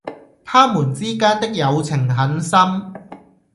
他們之間的友情很深。